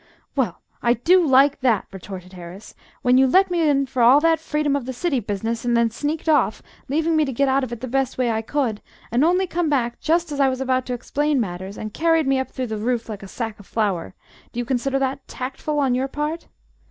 "Well, I do like that!" retorted Horace; "when you let me in for all that freedom of the City business, and then sneaked off, leaving me to get out of it the best way I could, and only came back just as I was about to explain matters, and carried me up through the roof like a sack of flour. Do you consider that tactful on your part?"